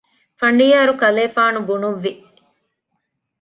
ފަނޑިޔާރު ކަލޭފާނު ބުނުއްވި